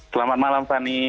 selamat malam fanny